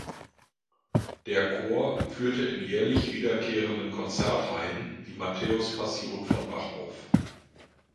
Der Chor führte in jährlich wiederkehrenden Konzertreihen die Matthäuspassion von Bach auf.